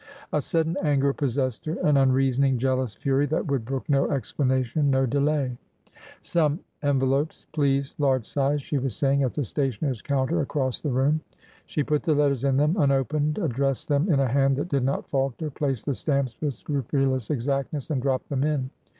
i A sudden anger possessed her— an unreasoning, jealous fury that would brook no explanation, no delay. CONFIRMATION STRONG 373 " Some envelops, please, — large size,'' she was saying at the stationer's counter across the room. She put the letters in them unopened, addressed them in a hand that did not falter, placed the stamps with scru pulous exactness, and dropped them in.